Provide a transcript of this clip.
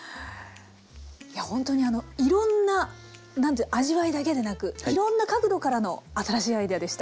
いやほんとにあのいろんな何て言う味わいだけでなくいろんな角度からの新しいアイデアでした。